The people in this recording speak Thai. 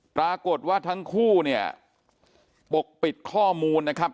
ปรากฏว่าทั้งคู่เนี่ยปกปิดข้อมูลนะครับ